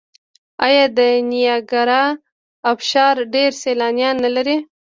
آیا د نیاګرا ابشار ډیر سیلانیان نلري؟